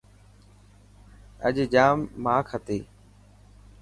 اڄ ڄام ماک هتي.